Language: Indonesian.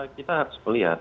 kita harus melihat